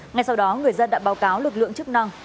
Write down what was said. ngay sau đó người dân đã báo cáo lực lượng chức năng